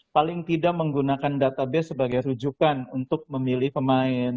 paling tidak menggunakan database sebagai rujukan untuk memilih pemain